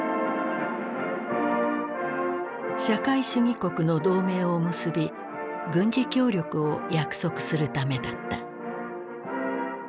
社会主義国の同盟を結び軍事協力を約束するためだった。